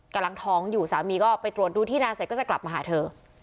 กำลังท้องอยู่สามีก็ไปตรวจดูที่นาเสร็จก็จะกลับมาหาเธอ